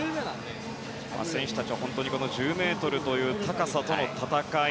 選手たちは本当に１０ｍという高さとの戦い。